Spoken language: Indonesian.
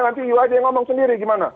nanti iwa aja yang ngomong sendiri gimana